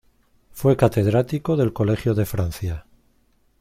Fue catedrático del Colegio de Francia.